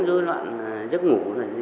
dối loạn giấc ngủ